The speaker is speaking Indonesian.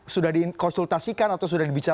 sudah dikonsultasikan atau sudah dibicarakan